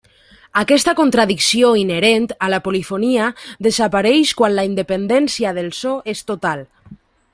Aquesta contradicció inherent a la polifonia desapareix quan la independència del so és total.